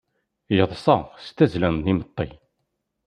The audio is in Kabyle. Yeḍṣa s tazzla n imeṭṭi!